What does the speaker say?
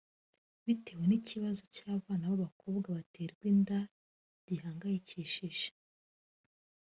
Bitewe n’ikibazo cy’abana b’abakobwa baterwa inda gihangayikishije